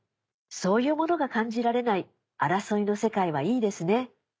そういうものが感じられない争いの世界はいいですね。